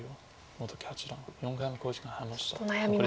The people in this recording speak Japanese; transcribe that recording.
本木八段４回目の考慮時間に入りました。